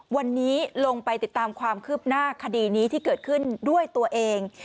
วันนี้ลงไปติดตามความคืบหน้าคดีนี้ที่เกิดขึ้นด้วยตัวเอง